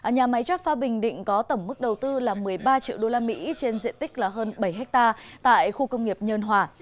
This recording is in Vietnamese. nhà máy jaffa bình định có tổng mức đầu tư là một mươi ba triệu usd trên diện tích là hơn bảy hectare tại khu công nghiệp nhân hòa